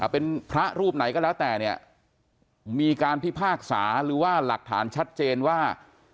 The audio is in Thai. เป็นพระรูปไหนก็แล้วแต่เนี่ยมีการพิพากษาหรือว่าหลักฐานชัดเจนว่า